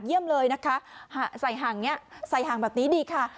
เยี่ยมเลยนะคะใส่ห่างนี้ใส่ห่างแบบนี้ดีค่ะ